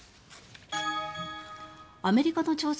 アメリカの調査